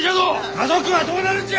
家族はどうなるんじゃ！